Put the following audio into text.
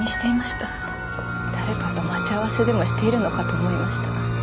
誰かと待ち合わせでもしているのかと思いましたが。